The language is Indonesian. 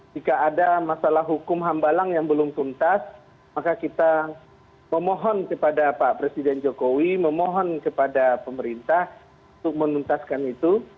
jika ada masalah hukum hambalang yang belum tuntas maka kita memohon kepada pak presiden jokowi memohon kepada pemerintah untuk menuntaskan itu